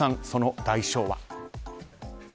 その代償は。